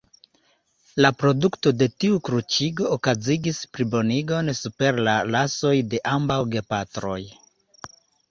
La produkto de tiu kruciĝo okazigis plibonigon super la rasoj de ambaŭ gepatroj.